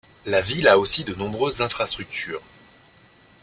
La ville a aussi de nombreuses infrastructures.